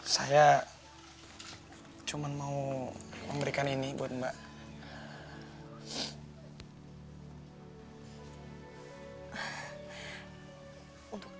saya cuma mau memberikan ini buat mbak